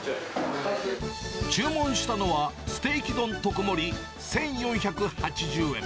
注文したのは、ステーキ丼特盛１４８０円。